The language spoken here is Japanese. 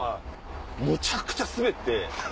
むちゃくちゃスベって。